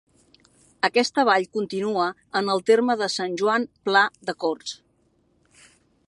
Aquesta vall continua en el terme de Sant Joan Pla de Corts.